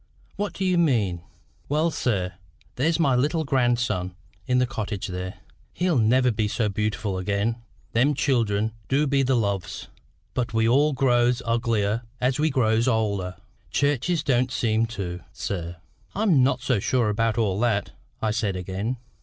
"What do you mean?" "Well, sir, there's my little grandson in the cottage there: he'll never be so beautiful again. Them children du be the loves. But we all grows uglier as we grows older. Churches don't seem to, sir." "I'm not so sure about all that," I said again.